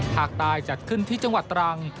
ภาคใต้จัดขึ้นที่จังหวัดตรัง